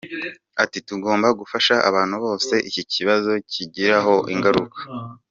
Ati “Tugomba gufasha abantu bose iki kibazo kigiraho ingaruka.